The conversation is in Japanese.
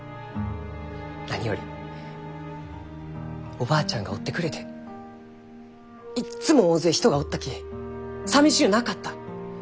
何よりおばあちゃんがおってくれていっつも大勢人がおったきさみしゅうなかった。